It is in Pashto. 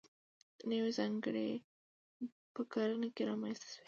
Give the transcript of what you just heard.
نوې څانګې په کرنه کې رامنځته شوې.